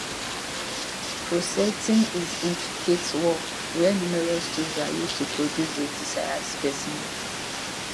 Prosecting is intricate work where numerous tools are used to produce a desired specimen.